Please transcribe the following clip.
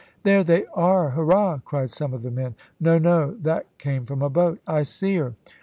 "There they are! hurrah!" cried some of the men. "No, no; that came from a boat. I see her."